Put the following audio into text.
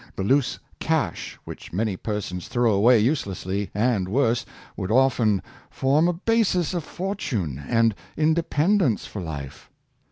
The loose cash which many persons throw away uselessly, and worse, would often form a basis of fortune and inde pendence for life.